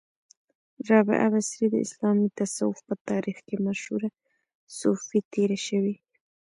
را بعه بصري د اسلامې تصوف په تاریخ کې مشهوره صوفۍ تیره شوی